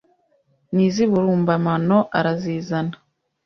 N'iz'i Burumbamano arazizana